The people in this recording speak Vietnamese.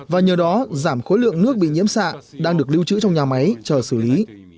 và nhờ đó giảm khối lượng nước bị nhiễm xạ đang được lưu trữ trong nhà máy chờ xử lý